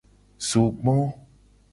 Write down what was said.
Zogbo.